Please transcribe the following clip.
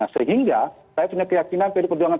sehingga saya punya keyakinan pdi perjuangan